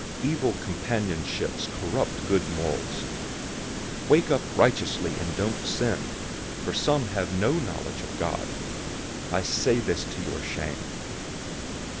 "Evil companionships corrupt good morals." 015:034 Wake up righteously, and don't sin, for some have no knowledge of God. I say this to your shame.